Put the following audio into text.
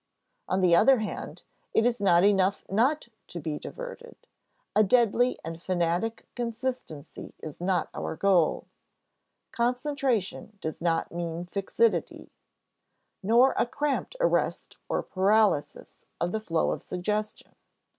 On the other hand, it is not enough not to be diverted. A deadly and fanatic consistency is not our goal. Concentration does not mean fixity, nor a cramped arrest or paralysis of the flow of suggestion.